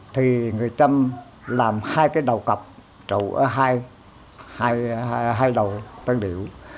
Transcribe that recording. thì người tâm làm hai cái đầu cặp trụ ở hai đầu tân điệu